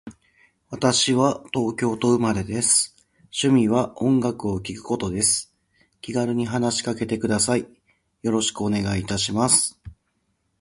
私は東京都生まれです。趣味は音楽を聴くことです。気軽に話しかけてください。よろしくお願いいたします。